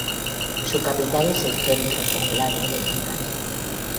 Su capital es el centro poblado de Mangas.